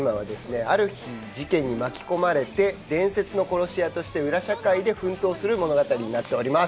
ある日事件に巻き込まれて伝説の殺し屋として裏社会で奮闘する物語になっております。